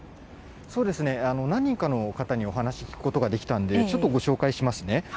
何人かの方にお話聞くことができたので、ちょっとご紹介しますね。